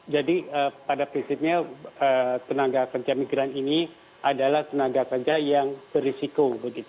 jadi pada prinsipnya tenaga kerja migran ini adalah tenaga kerja yang berisiko